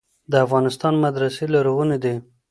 د افغانستان مدرسې لرغونې دي.